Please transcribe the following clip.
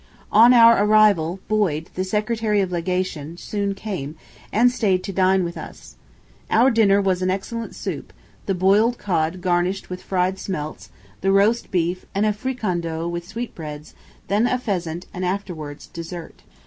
On our arrival, Boyd, the Secretary of Legation, soon came, and stayed to dine with us at six. Our dinner was an excellent soup, the boiled cod garnished with fried smelts, the roast beef and a fricandeau with sweet breads, then a pheasant, and afterwards, dessert.